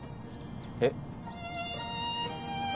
えっ？